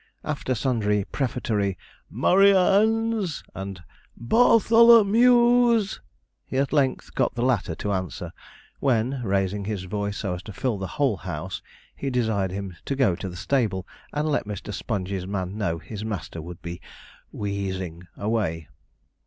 After sundry prefatory 'Murry Anns!' and 'Bar tho lo mews!' he at length got the latter to answer, when, raising his voice so as to fill the whole house, he desired him to go to the stable, and let Mr. Sponge's man know his master would be (wheezing) away.